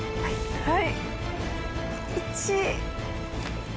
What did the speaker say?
はい。